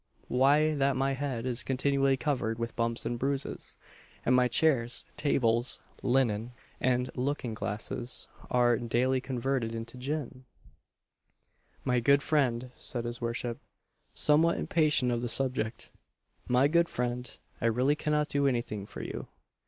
Why that my head is continually covered with bumps and bruises; and my chairs, tables, linen, and looking glasses, are daily converted into gin!" "My good friend," said his worship, somewhat impatient of the subject "my good friend, I really cannot do anything for you.